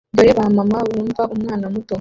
Dore ba mama bumva umwana muto